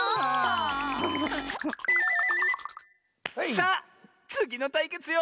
さあつぎのたいけつよ！